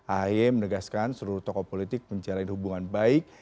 ahy menegaskan seluruh tokoh politik menjalani hubungan baik